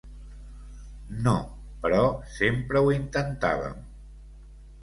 No, però sempre ho intentàvem.